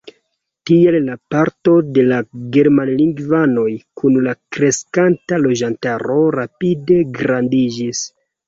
Tial la parto de la germanlingvanoj kun la kreskanta loĝantaro rapide grandiĝis.